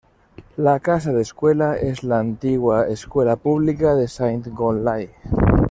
La casa de escuela es la antigua escuela pública de Saint-Gonlay.